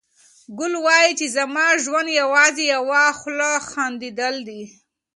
ګل وايي چې زما ژوند یوازې یوه خوله خندېدل دي.